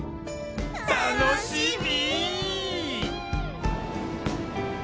楽しみ！